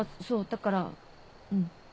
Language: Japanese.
だからうん。